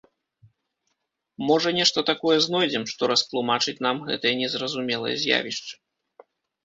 Можа, нешта такое знойдзем, што растлумачыць нам гэтае незразумелае з'явішча.